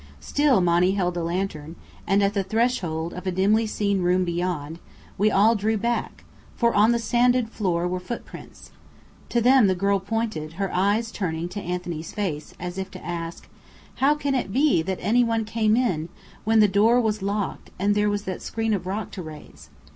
Still Monny held the lantern, and at the threshold of a dimly seen room beyond, we all drew back: for on the sanded floor were footprints. To them the girl pointed, her eyes turning to Anthony's face, as if to ask; "How can it be that any one came in, when the door was locked, and there was that screen of rock to raise?"